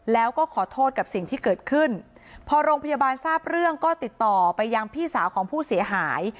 แล้วก็ขอโทษกับสิ่งที่เกิดขึ้นพอโรงพยาบาลทราบเรื่องก็ติดต่อไปยังพี่สาวของผู้เสียหาย